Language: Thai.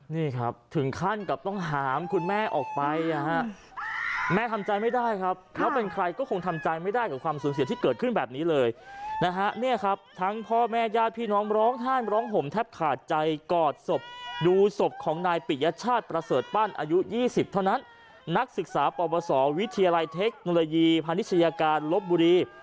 นี่ครับถึงขั้นกับต้องหามคุณแม่ออกไปนะฮะแม่ทำใจไม่ได้ครับแล้วเป็นใครก็คงทำใจไม่ได้กับความสูญเสียที่เกิดขึ้นแบบนี้เลยนะฮะเนี่ยครับทั้งพ่อแม่ญาติพี่น้องร้องไห้ร้องห่มแทบขาดใจกอดศพดูศพของนายปิยชาติประเสริฐปั้นอายุ๒๐เท่านั้นนักศึกษาปวสอวิทยาลัยเทคโนโลยีพาณิชยาการลบบุรี